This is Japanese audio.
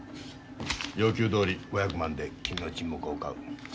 要求どおり５００万で君の沈黙を買う。